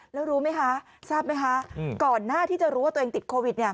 แล้วรู้ไหมคะทราบไหมคะก่อนหน้าที่จะรู้ว่าตัวเองติดโควิดเนี่ย